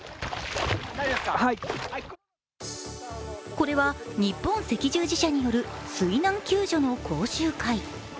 これは日本赤十字社による水難救助の講習会。